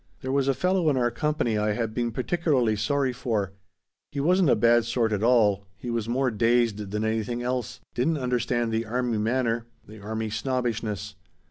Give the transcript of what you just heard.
"There was a fellow in our company I had been particularly sorry for. He wasn't a bad sort at all; he was more dazed than anything else; didn't understand the army manner; the army snobbishness.